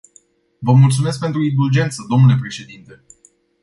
Vă mulțumesc pentru indulgență, domnule președinte.